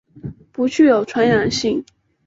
不具有传染性。